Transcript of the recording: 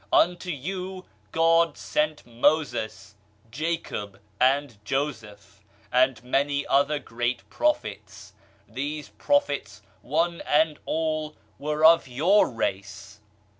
Unto you God sent Moses, Jacob and Joseph, and many other great pro phets. These prophets, one and all, were of your race.